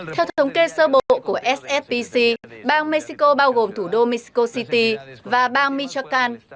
theo thống kê sơ bộ của sfpc bang mexico bao gồm thủ đô mexico city và bang michoacán